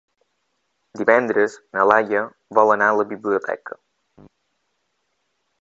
Divendres na Laia vol anar a la biblioteca.